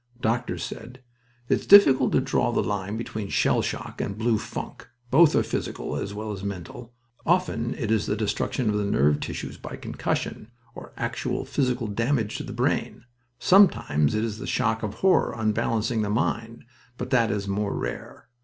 Doctors said: "It is difficult to draw the line between shell shock and blue funk. Both are physical as well as mental. Often it is the destruction of the nerve tissues by concussion, or actual physical damage to the brain; sometimes it is a shock of horror unbalancing the mind, but that is more rare.